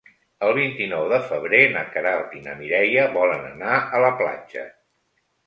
El vint-i-nou de febrer na Queralt i na Mireia volen anar a la platja.